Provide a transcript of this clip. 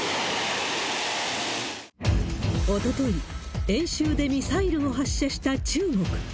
おととい、演習でミサイルを発射した中国。